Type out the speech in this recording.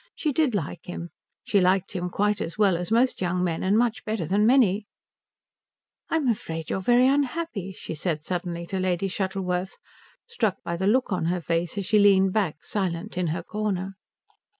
She did like him. She liked him quite as well as most young men and much better than many. "I'm afraid you are very unhappy," she said suddenly to Lady Shuttleworth, struck by the look on her face as she leaned back, silent, in her corner.